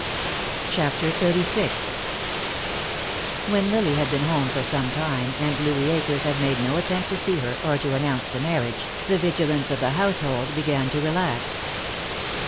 CHAPTER XXXVI When Lily had been at home for some time, and Louis Akers had made no attempt to see her, or to announce the marriage, the vigilance of the household began to relax.